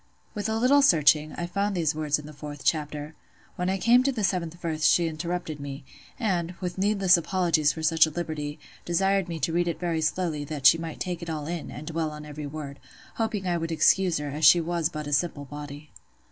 '" With a little searching, I found these words in the fourth chapter. When I came to the seventh verse she interrupted me, and, with needless apologies for such a liberty, desired me to read it very slowly, that she might take it all in, and dwell on every word; hoping I would excuse her, as she was but a "simple body."